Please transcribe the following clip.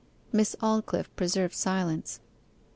Miss Aldclyffe preserved silence.